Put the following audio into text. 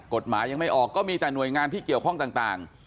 กฎหมายยังไม่ออกก็มีแต่หน่วยงานที่เกี่ยวข้องต่าง